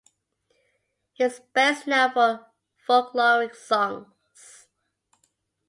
He is best known for Folkloric songs.